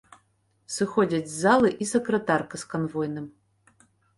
Сыходзяць з залы і сакратарка з канвойным.